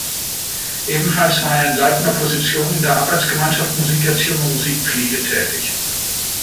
Ebenfalls war er in leitender Position in der "Arbeitsgemeinschaft Musikerziehung und Musikpflege" tätig.